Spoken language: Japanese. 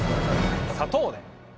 砂糖で。